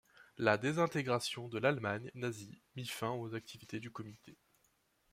La désintégration de l'Allemagne nazie mit fin aux activités du Comité.